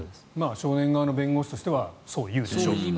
少年側の弁護士としてはそう言うでしょう。